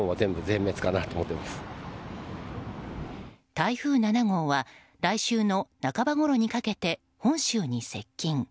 台風７号は来週半ばごろにかけて本州に接近。